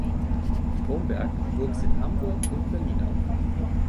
Stromberg wuchs in Hamburg und Berlin auf.